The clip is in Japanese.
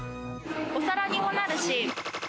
お皿にもなるし。